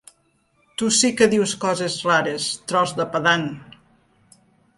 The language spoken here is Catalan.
Tu sí que dius coses rares, tros de pedant!